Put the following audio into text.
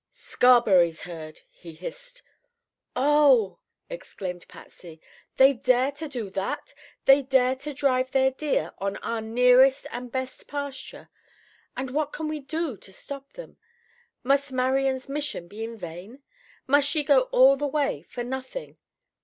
"Scarberry's herd," he hissed. "Oh!" exclaimed Patsy. "They dare to do that? They dare to drive their deer on our nearest and best pasture? And what can we do to stop them? Must Marian's mission be in vain? Must she go all that way for nothing?